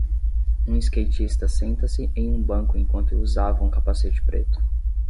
Um skatista senta-se em um banco enquanto usava um capacete preto.